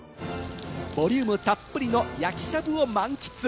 ボリュームたっぷりの焼きしゃぶを満喫。